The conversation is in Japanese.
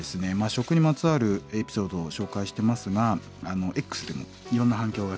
食にまつわるエピソードを紹介してますがＸでもいろんな反響が来てます。